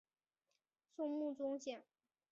松木宗显。